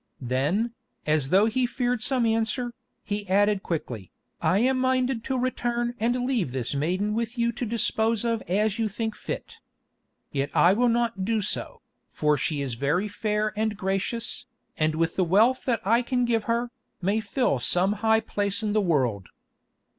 Then, as though he feared some answer, he added quickly, "I am minded to return and leave this maiden with you to dispose of as you think fit. Yet I will not do so, for she is very fair and gracious, and with the wealth that I can give her, may fill some high place in the world.